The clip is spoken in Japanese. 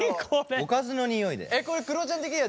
おかずのにおいだよ。